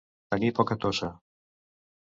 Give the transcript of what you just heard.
Tenir poca tossa.